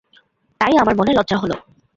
তাই আমার মনে লজ্জা হল।